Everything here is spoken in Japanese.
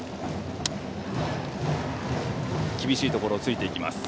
厳しいところをついていきます。